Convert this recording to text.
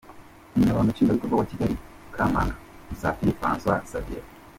Umunyamabanga nshingwabikorwa w’akagali ka Mahango, Musafiri Francois Xavier, .